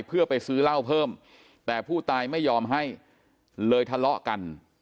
เพื่อไปซื้อเหล้าเพิ่มแต่ผู้ตายไม่ยอมให้เลยทะเลาะกัน